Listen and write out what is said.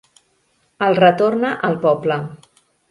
El retorna al poble.